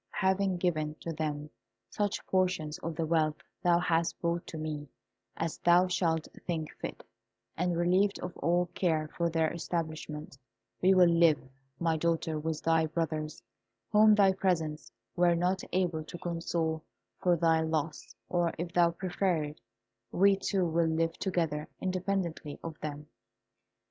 Having given to them such portions of the wealth thou hast brought to me, as thou shalt think fit, and relieved of all care for their establishment, we will live, my daughter, with thy brothers, whom thy presents were not able to console for thy loss; or, if thou prefer it, we two will live together independently of them."